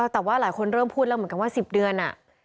แต่ว่าหลายคนเริ่มพูดแล้วเหมือนกันว่า๑๐เดือน